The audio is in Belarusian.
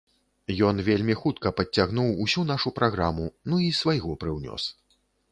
Ён вельмі хутка падцягнуў усю нашу праграму, ну, і свайго прыўнёс.